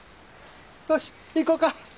よし行こうか。